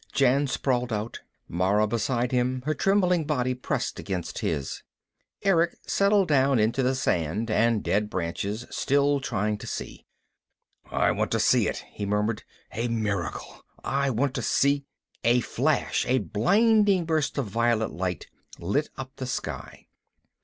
Jan sprawled out, Mara beside him, her trembling body pressed against his. Erick settled down into the sand and dead branches, still trying to see. "I want to see it," he murmured. "A miracle. I want to see " A flash, a blinding burst of violet light, lit up the sky.